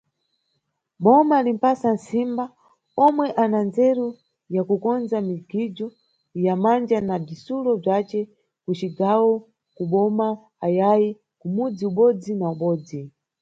Boma limʼpasa ntsimba omwe ana ndzeru ya kukondza migijo ya manja na bzitsulo bzace ku cigawo, ku boma ayayi kumudzi ubodzi na ubodzi.